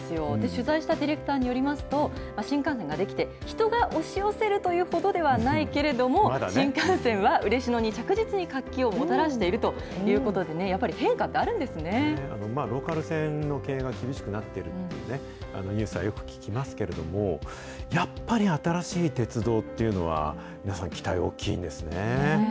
取材したディレクターによりますと、新幹線が出来て、人が押し寄せるというほどではないけれども、新幹線は嬉野に着実に活気をもたらしているということで、やっぱり変化があローカル線の経営が厳しくなっているというニュースはよく聞きますけれども、やっぱり新しい鉄道っていうのは、皆さん、期待大きいんですね。